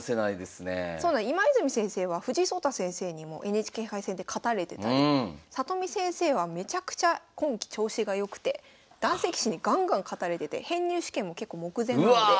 今泉先生は藤井聡太先生にもＮＨＫ杯戦で勝たれてたり里見先生はめちゃくちゃ今期調子が良くて男性棋士にガンガン勝たれてて編入試験も結構目前なので。